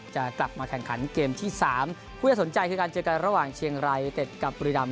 จะกลับมาแข่งขันเกมที่สามคู่ที่น่าสนใจคือการเจอกันระหว่างเชียงรายเต็ดกับบุรีรำ